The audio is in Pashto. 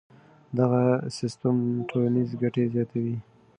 دغه سیستم ټولنیزې ګټې زیاتوي.